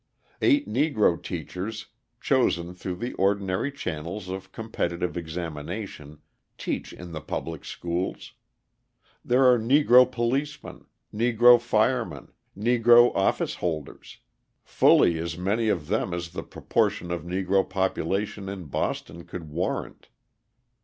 Eight Negro teachers, chosen through the ordinary channels of competitive examination, teach in the public schools. There are Negro policemen, Negro firemen, Negro officeholders fully as many of them as the proportion of Negro population in Boston would warrant.